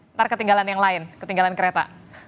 ntar ketinggalan yang lain ketinggalan kereta